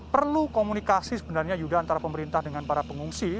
perlu komunikasi sebenarnya yuda antara pemerintah dengan para pengungsi